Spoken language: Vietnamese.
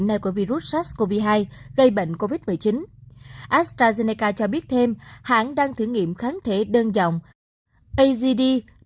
astrazeneca cho biết thêm hãng đang thử nghiệm kháng thể đơn dòng azd bảy nghìn bốn trăm bốn mươi hai